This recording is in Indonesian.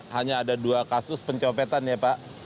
hanya ada dua kasus pencopetan ya pak